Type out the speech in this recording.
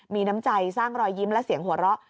มีน้ำใจสร้างรอยยิ้มและเสียงหัวเราะ